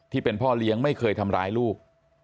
ที่เป็นพ่อเลี้ยงไม่เคยทำร้ายลูก